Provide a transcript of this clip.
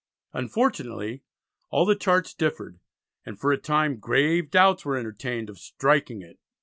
Unfortunately all the charts differed, and for a time grave doubts were entertained of "striking it."